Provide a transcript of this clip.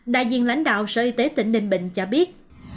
đại diện lãnh đạo sở y tế tỉnh ninh bình cho biết